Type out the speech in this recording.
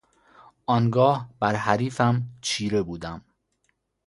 آنگاه بر حریفم چیره بودم.